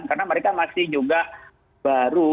karena mereka masih juga baru